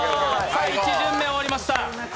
１巡目終わりました。